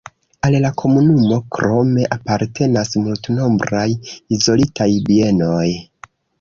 Al la komunumo krome apartenas multnombraj izolitaj bienoj.